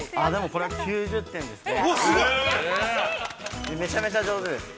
◆これは９０点ですね。